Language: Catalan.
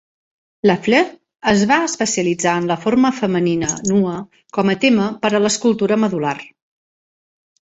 Lafleur es va especialitzar en la forma femenina nua com a tema per a l'escultura medul·lar.